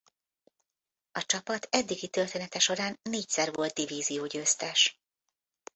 A csapat eddigi története során négyszer volt divízió győztes.